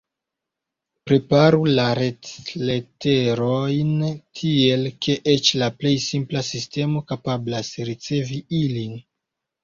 Preparu la retleterojn tiel, ke eĉ la plej simpla sistemo kapablas ricevi ilin.